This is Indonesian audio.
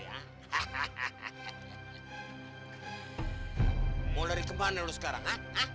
mau lari kemana lo sekarang